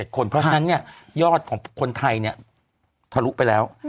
๙๘๔๗คนเพราะฉะนั้นยอดของคนไทยทะลุไปแล้ว